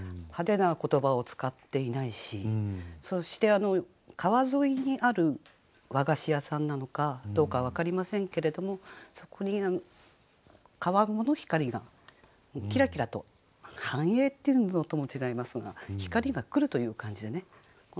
派手な言葉を使っていないしそして川沿いにある和菓子屋さんなのかどうかは分かりませんけれどもそこに川面の光がキラキラと反映っていうのとも違いますが光が来るという感じでね。